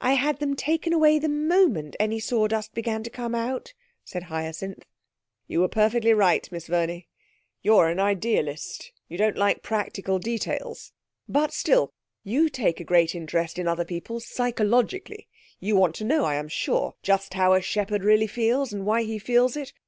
I had them taken away the moment any sawdust began to come out,' said Hyacinth. 'You were perfectly right, Miss Verney. You're an Idealist; at least, you don't like practical details. But still you take a great interest in other people psychologically. You want to know, I'm sure, just how a shepherd really feels, and why he feels it.